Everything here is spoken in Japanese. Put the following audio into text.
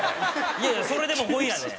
いやいやそれでも５位やねん。